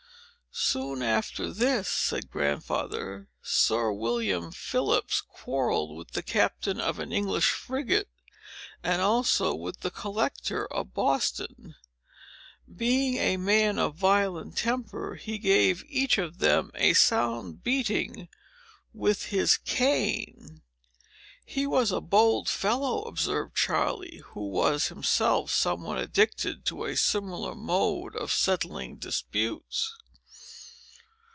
"Soon after this," said Grandfather, "Sir William Phips quarrelled with the captain of an English frigate, and also with the Collector of Boston. Being a man of violent temper, he gave each of them a sound beating with his cane." "He was a bold fellow," observed Charley, who was himself somewhat addicted to a similar mode of settling disputes.